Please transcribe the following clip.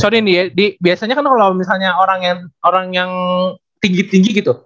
sorry nih ya biasanya kan kalau misalnya orang yang tinggi tinggi gitu